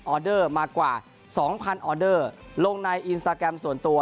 เดอร์มากว่า๒๐๐ออเดอร์ลงในอินสตาแกรมส่วนตัว